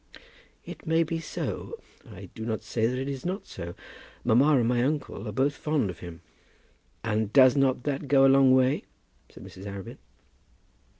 "It may be so. I do not say that it is not so. Mamma and my uncle are both fond of him." "And does not that go a long way?" said Mrs. Arabin.